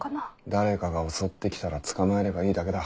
誰かが襲ってきたら捕まえればいいだけだ。